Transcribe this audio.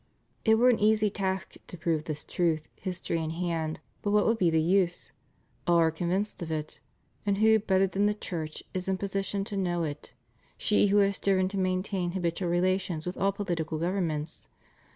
It were an easy task to prove this truth, history in hand, but what would be the use ? All are convinced of it. And who, better than the Church, is in position to know it — she who has striven to maintain habitual relations with all political governments?